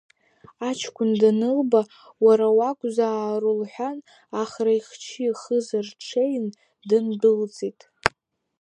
Аҷкәын данылба, уара уакәзаару лҳәан, Ахра ихчы, ихыза рҽеины дындәылҵит…